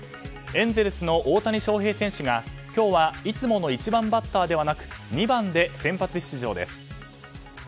エンゼルスの大谷翔平選手が今日はいつもの１番バッターではなく２番で先発出場です。